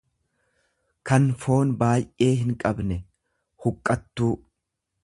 kan foon baay'ee hinqabne, huqqattuu.